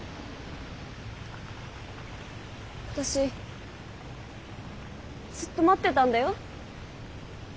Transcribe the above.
私ずっと待ってたんだよ。